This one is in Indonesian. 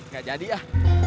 gak jadi ah